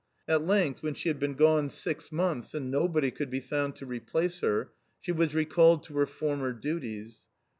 At length, when she had been gone six months and nobody could be found to replace her, she was recalled to her former duties.